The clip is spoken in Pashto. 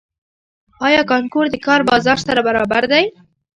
آیا کانکور د کار بازار سره برابر دی؟